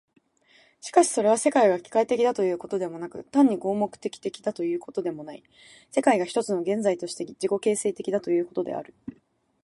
しかしそれは、世界が機械的だということでもなく、単に合目的的だということでもない、世界が一つの現在として自己形成的だということである。